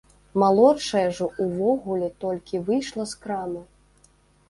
Малодшая ж увогуле толькі выйшла з крамы.